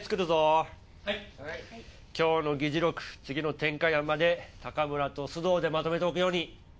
今日の議事録次の展開案まで高村と須藤でまとめておくように。